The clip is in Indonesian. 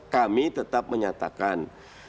kami tetap menyatakan